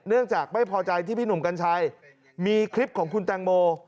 จากไม่พอใจที่พี่หนุ่มกัญชัยมีคลิปของคุณแตงโม